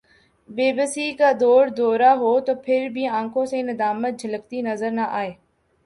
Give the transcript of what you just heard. بے بسی کا دوردورہ ہو تو پھربھی آنکھوں سے ندامت جھلکتی نظر نہ آئے